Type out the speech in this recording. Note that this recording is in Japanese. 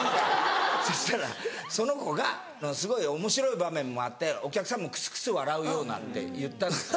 そしたらその子が「すごいおもしろい場面もあってお客さんもクスクス笑うような」って言ったんですよ。